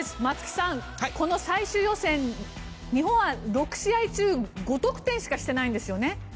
松木さん、この最終予選日本は６試合中５得点しかしてないんですよね。